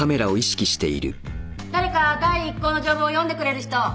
誰か第一項の条文を読んでくれる人。